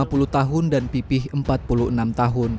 lima puluh tahun dan pipih empat puluh enam tahun